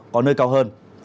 có nơi cao hơn